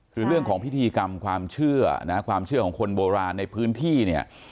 คือเรื่องของพิธีกรรมความเชื่อนะความเชื่อของคนโบราณในพื้นที่เนี่ย